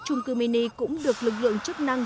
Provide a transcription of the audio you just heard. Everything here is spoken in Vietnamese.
trung cư mini cũng được lực lượng chức năng